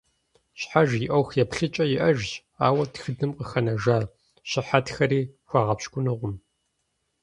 Щхьэж и ӏуэху еплъыкӏэ иӏэжщ, ауэ тхыдэм къыхэнэжа щыхьэтхэри пхуэгъэпщкӏунукъым.